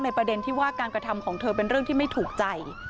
ประเด็นที่ว่าการกระทำของเธอเป็นเรื่องที่ไม่ถูกใจ